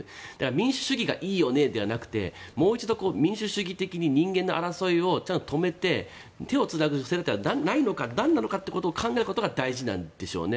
民主主義がいいよねではなくてもう一度、民主主義的に人間の争いをちゃんと止めて手をつなぐにはなんなのかっていうことが大事なんでしょうね。